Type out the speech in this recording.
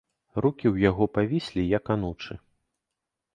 Рукі ў яго павіслі, як анучы.